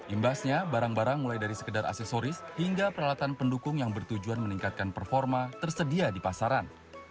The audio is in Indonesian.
imbasnya barang barang mulai dari sekedar aksesoris hingga peralatan pendukung yang bertujuan meningkatkan performa tersedia di pasaran